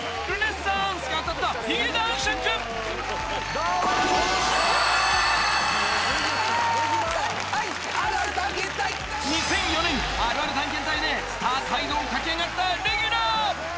さんはい、２００４年、あるある探検隊でスター街道を駆け上がったレギュラー。